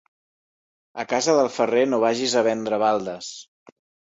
A casa del ferrer no vagis a vendre baldes.